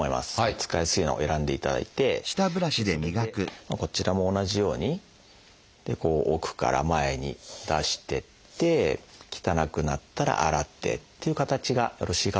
使いやすいのを選んでいただいてそれでこちらも同じようにこう奥から前に出してって汚くなったら洗ってっていう形がよろしいかと思いますね。